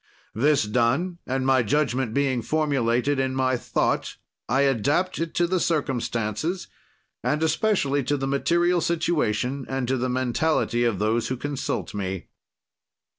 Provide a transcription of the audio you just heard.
"'This done, and my judgment being formulated in my thought, I adapt it to the circumstances, and especially to the material situation and to the mentality of those who consult me.'